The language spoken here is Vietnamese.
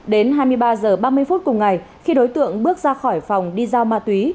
đến hai mươi ba h ba mươi phút cùng ngày khi đối tượng bước ra khỏi phòng đi giao ma túy